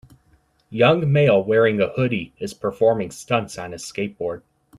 Young male wearing a hoodie, is performing stunts on his skateboard.